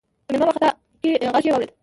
د مېلمه وارخطا غږ يې واورېد: